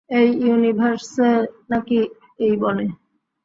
এই ইউনিভার্সে নাকি এই বনে?